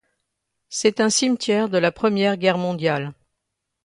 C'est un cimetière de la Première Guerre Mondiale.